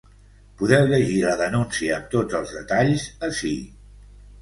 Podeu llegir la denúncia amb tots els detalls ací.